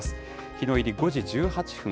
日の入り、５時１８分。